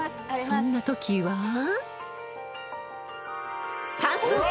［そんなときは］